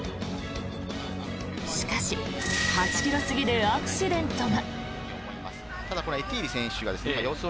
しかし、８ｋｍ過ぎでアクシデントが。